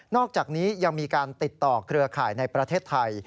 อกจากนี้ยังมีการติดต่อเครือข่ายในประเทศไทย